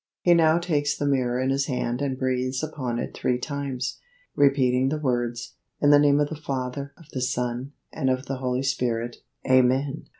He now takes the mirror in his hand and breathes upon it three times, repeating the words, "In the name of the Father, of the Son, and of the Holy Spirit. Amen."